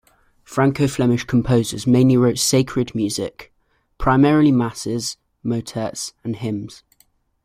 Franco-Flemish composers mainly wrote sacred music, primarily masses, motets and hymns.